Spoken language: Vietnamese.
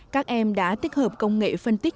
các em đã tích hợp công nghệ phân tích